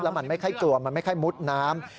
มันไม่ค่อยกลัวมันไม่ค่อยมุดน้ำ